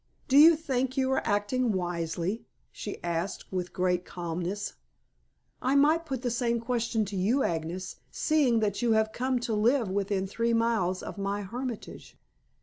"Do you think you are acting wisely?" she asked with great calmness. "I might put the same question to you, Agnes, seeing that you have come to live within three miles of my hermitage."